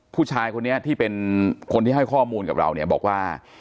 ผู้ชายคนนี้ที่เป็นคนที่ให้ข้อมูลกับเราเนี่ยบอกว่า